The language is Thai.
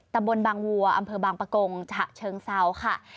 ตำบลบางวัวอำเภอบางปะกงฉะเชิงเซาค่ะ